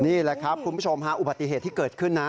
นี่แหละครับคุณผู้ชมฮะอุบัติเหตุที่เกิดขึ้นนะ